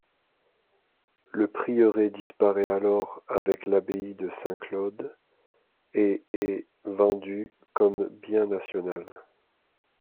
Le prieuré disparaît alors avec l'abbaye de Saint-Claude et est vendu comme bien national.